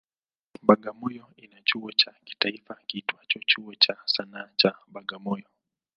Bagamoyo ina chuo cha kitaifa kiitwacho Chuo cha Sanaa cha Bagamoyo.